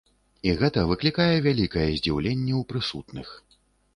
І гэта выклікае вялікае здзіўленне ў прысутных.